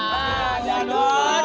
nah jangan doang